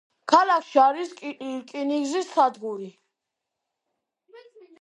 ქალაქში არის რკინიგზის სადგური.